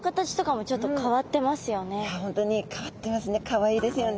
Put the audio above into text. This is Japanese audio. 本当に変わってますね。